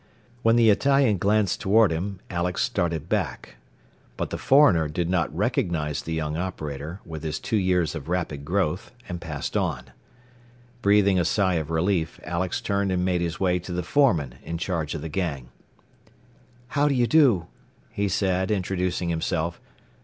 When the Italian glanced toward him, Alex started back. But the foreigner did not recognize the young operator, with his two years of rapid growth, and passed on. Breathing a sigh of relief, Alex turned and made his way to the foreman in charge of the gang. "How do you do," he said, introducing himself.